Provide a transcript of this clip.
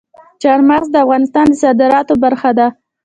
چار مغز د افغانستان د صادراتو برخه ده.